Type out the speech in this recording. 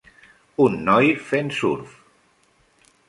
Un noi fent surf.